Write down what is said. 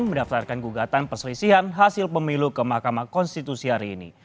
mendaftarkan gugatan perselisihan hasil pemilu ke mahkamah konstitusi hari ini